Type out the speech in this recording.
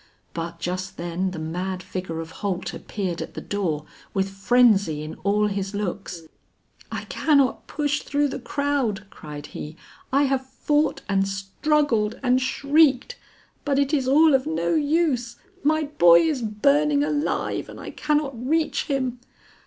But just then the mad figure of Holt appeared at the door, with frenzy in all his looks. "I cannot push through the crowd," cried he, "I have fought and struggled and shrieked, but it is all of no use. My boy is burning alive and I cannot reach him."